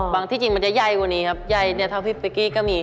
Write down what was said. ที่จริงมันจะใหญ่กว่านี้ครับใหญ่เนี่ยเท่าพี่เป๊กกี้ก็มี